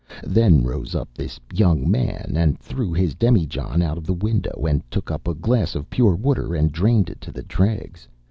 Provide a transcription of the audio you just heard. Then rose up this young man, and threw his demijohn out of the window, and took up a glass of pure water, and drained it to the dregs.